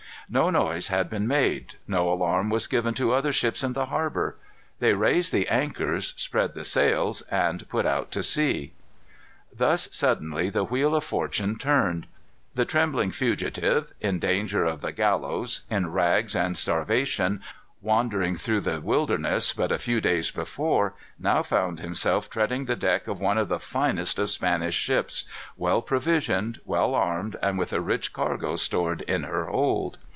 No noise had been made. No alarm was given to other ships in the harbor. They raised the anchors, spread the sails, and put out to sea. Thus suddenly the wheel of fortune turned. The trembling fugitive, in danger of the gallows, in rags and starvation, wandering through the wilderness, but a few days before, now found himself treading the deck of one of the finest of Spanish ships, well provisioned, well armed, and with a rich cargo stored in her hold.